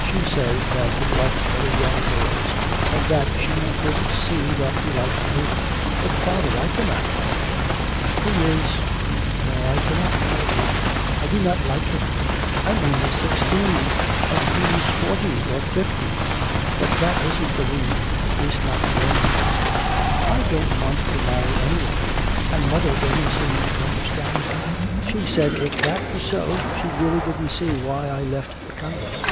She says that he likes very young girls, and that she could see that he liked me. But, father, I cannot marry him. He is no, I cannot marry him. I do not like him, I'm only sixteen, and he's forty or fifty. But that isn't the reason, at least not the only reason. I don't want to marry any one, and mother doesn't seem to understand that. She said if that were so, she really didn't see why I left the convent.'